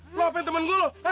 lu ngapain temen gue lu